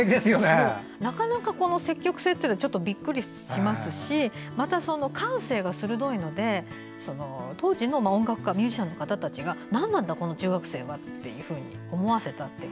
なかなかこの積極性というのはびっくりしますしまた、感性が鋭いので当時の音楽家ミュージシャンの方たちがなんなんだ、この中学生はと思わせたっていう。